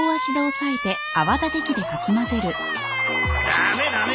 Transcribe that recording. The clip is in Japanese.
ダメダメ。